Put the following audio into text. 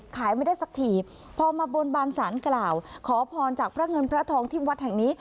ขายไม่ได้สักทีพอมาบนบานสารกล่าวขอพรจากพระเงินพระทองที่วัดแห่งนี้